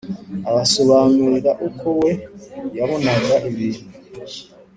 abasobanurira uko we yabonaga ibintu.